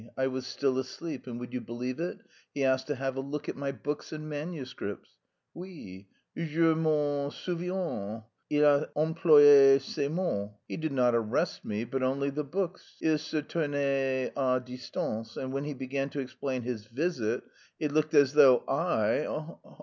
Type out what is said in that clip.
_ I was still asleep, and, would you believe it, he asked to have a look at my books and manuscripts! Oui, je m'en souviens, il a employé ce mot. He did not arrest me, but only the books. Il se tenait à distance, and when he began to explain his visit he looked as though I...